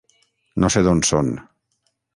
No sé d'on són...